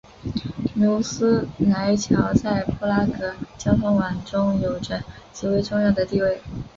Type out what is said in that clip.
努斯莱桥在布拉格交通网中有着极为重要的地位。